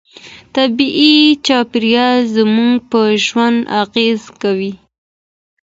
طبيعي چاپيريال زموږ په ژوند اغېز کوي.